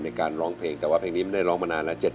ในการร้องเพลงแต่ว่าเพลงนี้มันได้ร้องมานานแล้ว